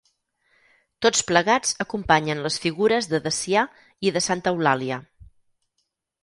Tots plegats acompanyen les figures de Dacià i de Santa Eulàlia.